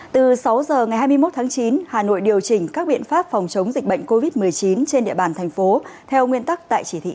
từ sáu h ngày hai mươi một tháng chín hà nội điều chỉnh các biện pháp phòng chống dịch bệnh covid một mươi chín trên địa bàn thành phố theo nguyên tắc tại chỉ thị